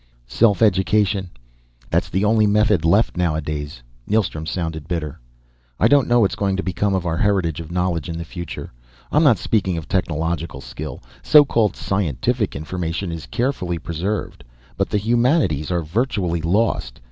"Self education! That's the only method left nowadays." Neilstrom sounded bitter. "I don't know what's going to become of our heritage of knowledge in the future. I'm not speaking of technological skill; so called scientific information is carefully preserved. But the humanities are virtually lost.